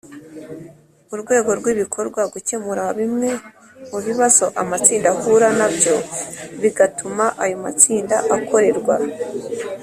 Urwego rw ibikorwa gukemura bimwe mu bibazo amatsinda ahura na byo bigatuma ayo matsinda akorerwa